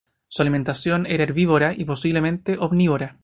Su alimentación era herbívora y posiblemente omnívora.